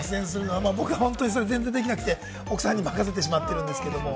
僕は全然できなくて、奥さんに任せてしまってるんですけれど。